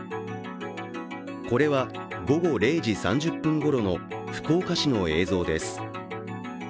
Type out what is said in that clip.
これは、午後０時３０分ごろの福岡市の映像です。